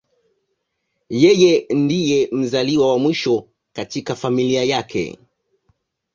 Yeye ndiye mzaliwa wa mwisho katika familia yake.